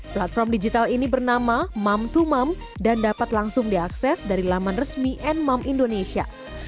platform digital ini bernama mom dua mom dan dapat langsung diakses dari laman resmi nmom indonesia